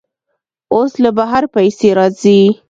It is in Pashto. اوس له بهر پیسې راځي.